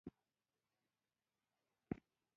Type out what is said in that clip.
احمده! لېونی يې که باد وهلی يې.